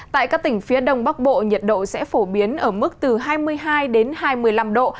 tại các tỉnh phía đông bắc bộ nhiệt độ sẽ phổ biến ở mức từ hai mươi hai đến hai mươi năm độ